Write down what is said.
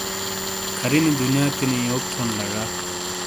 کھِر ینی دنیاتینی یوک تھون لا ڙا